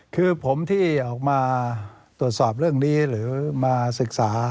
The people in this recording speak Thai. คือผมที่ออกมาตรวจสอบเรื่องนี้หรือมาศึกษา